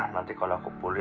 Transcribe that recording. nanti kalau aku pulih